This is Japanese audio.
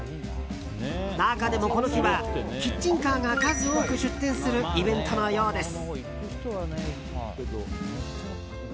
中でも、この日はキッチンカーが数多く出店するイベントのようです。